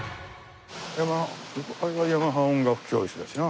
これはヤマハ音楽教室だしな。